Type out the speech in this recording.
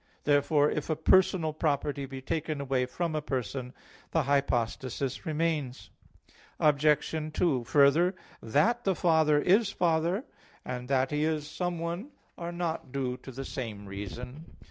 Therefore, if a personal property be taken away from a person, the hypostasis remains. Obj. 2: Further, that the Father is Father, and that He is someone, are not due to the same reason.